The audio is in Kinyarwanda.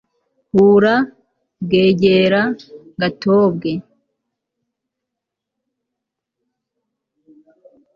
hura, bwegera, gatobwe